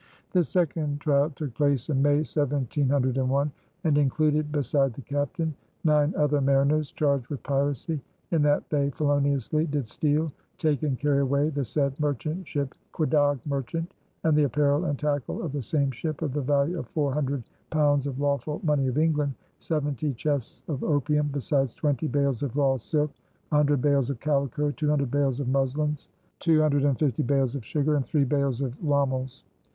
This second trial took place in May, 1701, and included, beside the Captain, nine other mariners charged with piracy, in that "they feloniously did steal, take and carry away the said merchant ship Quedagh Merchant and the apparel and tackle of the same ship of the value of four hundred pounds of lawful money of England, seventy chests of opium, besides twenty bales of raw silk, a hundred bales of calico, two hundred bales of muslins, two hundred and fifty bales of sugar and three bales of romels."